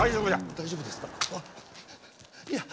大丈夫ですか。